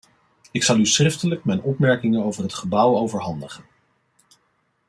Ik zal u schriftelijk mijn opmerkingen over het gebouw overhandigen.